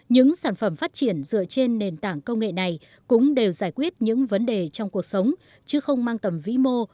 những sản phẩm phát triển dựa trên nền tảng công nghệ này cũng đều giải quyết những vấn đề trong cuộc sống chứ không mang tầm vĩ mô